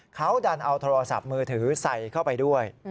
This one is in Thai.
เขาดันเอาโทรศัพท์มือถือใส่เข้าไปด้วย